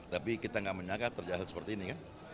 tapi kita tidak menyangka terjahat seperti ini kan